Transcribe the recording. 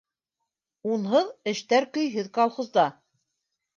Унһыҙ эштәр көйһөҙ колхозда.